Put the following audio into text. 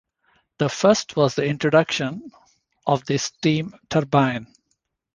The first was the introduction of the steam turbine.